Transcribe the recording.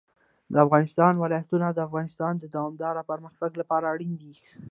د افغانستان ولايتونه د افغانستان د دوامداره پرمختګ لپاره اړین دي.